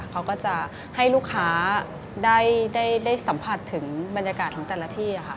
เขาก็จะให้ลูกค้าได้สัมผัสถึงบรรยากาศของแต่ละที่ค่ะ